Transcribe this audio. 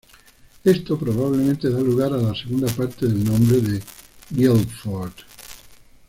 Esto probablemente da lugar a la segunda parte del nombre de Guildford.